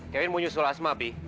kevin punya sulasma bi